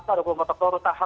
dan juga kami sudah